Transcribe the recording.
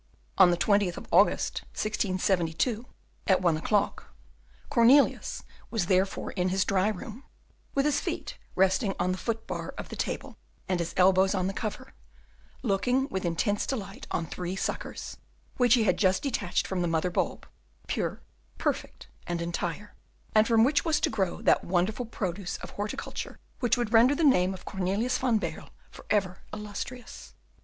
On the 20th of August, 1672, at one o'clock, Cornelius was therefore in his dry room, with his feet resting on the foot bar of the table, and his elbows on the cover, looking with intense delight on three suckers which he had just detached from the mother bulb, pure, perfect, and entire, and from which was to grow that wonderful produce of horticulture which would render the name of Cornelius van Baerle for ever illustrious.